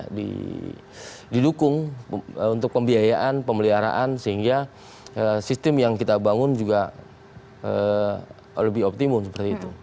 untuk di dukung untuk pembiayaan pemeliharaan sehingga sistem yang kita bangun juga lebih optimum seperti itu